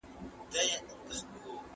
زه اوږده وخت کتابونه لولم وم!!